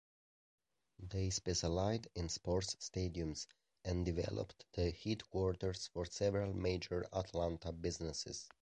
They specialized in sports stadiums, and developed the headquarters for several major Atlanta businesses.